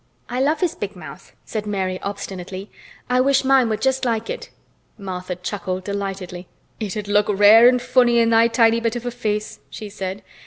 "I love his big mouth," said Mary obstinately. "I wish mine were just like it." Martha chuckled delightedly. "It'd look rare an' funny in thy bit of a face," she said.